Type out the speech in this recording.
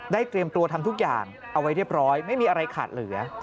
เตรียมตัวทำทุกอย่างเอาไว้เรียบร้อยไม่มีอะไรขาดเหลือ